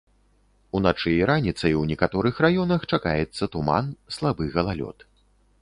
Уначы і раніцай у некаторых раёнах чакаецца туман, слабы галалёд.